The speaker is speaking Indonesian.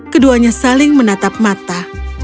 keduanya saling menatap mata